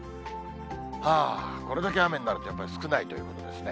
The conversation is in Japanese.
これだけ雨になると、やっぱり少ないということですね。